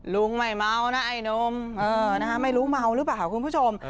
ลุงไม่เมานะไอ้นมไม่รู้เมาหรือเปล่าคุณผู้ชม